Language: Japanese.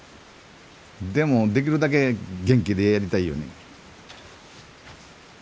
でもできるだけ元気でやりたいよね。